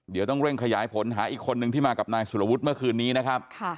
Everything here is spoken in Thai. เดี๋ยวต้องเร่งขยายผลหาอีกคนนึงที่มากับนายสุรวุฒิเมื่อคืนนี้นะครับ